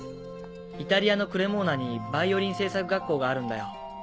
イタリアのクレモーナにバイオリン製作学校があるんだよ。